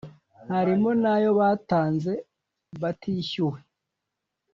harimo n’ayo batanze batishyuwe